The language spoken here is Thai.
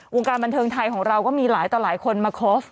วงการบรรเทิงไทยของเรามีหลายคนมาครอฟฟ์